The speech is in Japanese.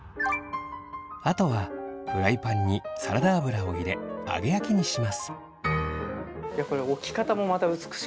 あとはフライパンにサラダ油を入れ揚げ焼きにします。